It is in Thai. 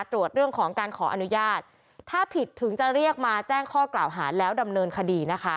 ตรวจเรื่องของการขออนุญาตถ้าผิดถึงจะเรียกมาแจ้งข้อกล่าวหาแล้วดำเนินคดีนะคะ